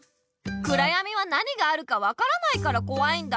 くらやみはなにがあるかわからないからこわいんだ。